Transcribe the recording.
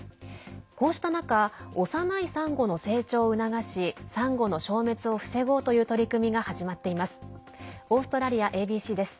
こうした中幼いさんごの成長を促しさんごの消滅を防ごうという取り組みが始まっています。